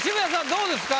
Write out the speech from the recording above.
どうですか？